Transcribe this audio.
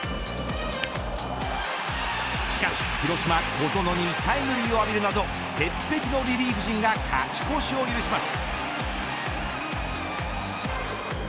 しかし広島、小園にタイムリーを浴びるなど鉄壁のリリーフ陣が勝ち越しを許します。